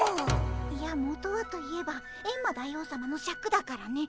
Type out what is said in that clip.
いや元はと言えばエンマ大王さまのシャクだからね。